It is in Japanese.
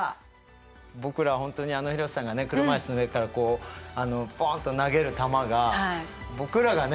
僕ら本当にあの廣瀬さんが車いすの上からこうポンと投げる球が僕らがね